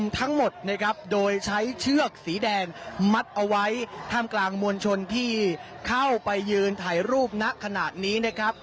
ที่เข้าไปยืนถ่ายรูปนักขนาดนี้